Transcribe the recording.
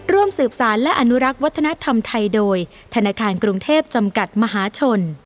ร่วมสืบสารและอนุรักษ์วัฒนธรรมไทยโดยธนาคารกรุงเทพจำกัดมหาชน